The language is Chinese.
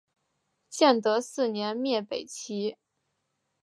建德四年灭北齐。